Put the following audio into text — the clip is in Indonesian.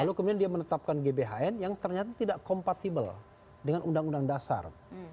lalu kemudian dia menetapkan gbhn yang ternyata tidak kompatibel dengan undang undang dasar